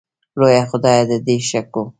لویه خدایه د دې شګو